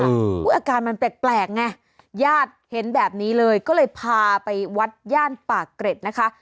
อาการมันแปลกไงญาติเห็นแบบนี้เลยก็เลยพาไปวัดย่านปากเกร็ดนะคะ